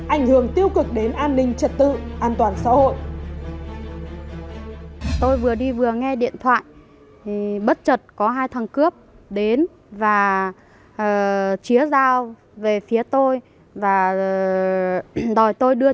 ảnh hưởng tiêu cực đến an ninh trật tự an toàn xã hội